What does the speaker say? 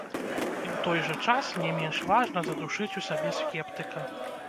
І ў той жа час не менш важна задушыць у сабе скептыка.